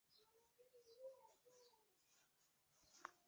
总主教府位于贝内文托老城区的主教座堂广场和奥尔西尼广场。